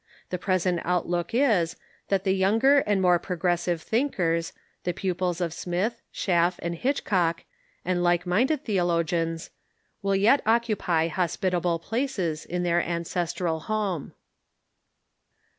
The present outlook is, that the younger and more progressive thinkers, the pupils of Smith, Schaff, and Hitchcock, and like minded theologians, will yet occupy hospitable places in their ancestral home.